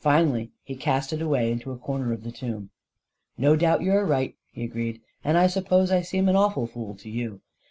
Finally he cast it away into a corner of the tomb. "No doubt you are right," he agreed; "and I suppose I seem an awful fool to you.